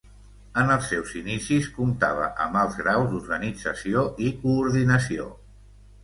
En els seus inicis comptava amb alts graus d'organització i coordinació.